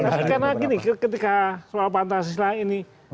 nah sekarang lagi nih ketika soal pancasila ini